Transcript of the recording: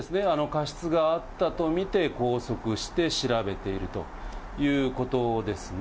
過失があったと見て拘束して調べているということですね。